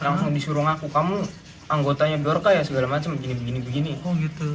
langsung disuruh ngaku kamu anggotanya borka ya segala macam begini begini begini oh gitu